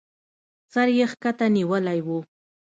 سر يې کښته نيولى و.